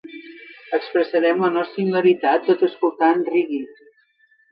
Expressàrem la nostra hilaritat tot escoltant reagge.